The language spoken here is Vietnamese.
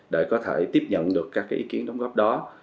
để có thể tiếp nhận được các ý kiến đóng góp đó